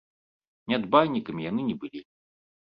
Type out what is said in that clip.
Нядбайнікамі яны не былі.